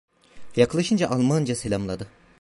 Yaklaşınca Almanca selamladı.